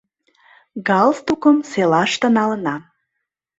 Галстукым селаште налынам.